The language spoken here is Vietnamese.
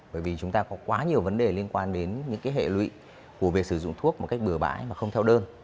bởi vì chúng ta có quá nhiều vấn đề liên quan đến những hệ lụy của việc sử dụng thuốc một cách bừa bãi mà không theo đơn